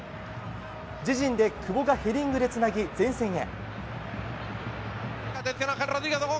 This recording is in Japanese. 自陣で久保がヘディングでつなぎ前線へ。